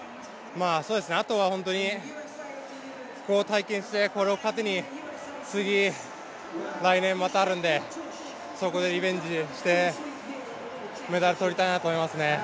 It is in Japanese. あとはここを体験してこれを糧に次、来年またあるんでそこでリベンジして、メダルを取りたいなと思いますね。